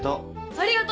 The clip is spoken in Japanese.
ありがと。